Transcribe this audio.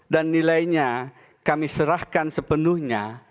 dan nilainya kami serahkan sepenuhnya